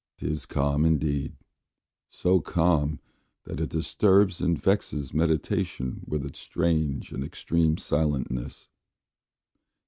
'Tis calm indeed! so calm, that it disturbs And vexes meditation with its strange And extreme silentness.